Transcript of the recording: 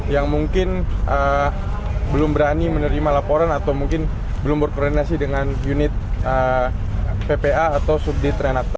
yang mungkin belum berani menerima laporan atau mungkin belum berkoordinasi dengan unit ppa atau subditrenata